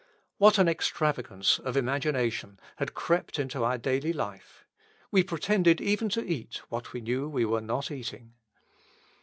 What an extravagance of imagination had crept into our daily life! We pretended even to eat what we knew we were not eating.